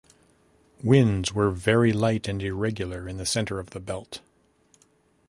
Winds were very light and irregular in the center of the belt.